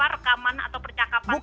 rekaman atau percakapan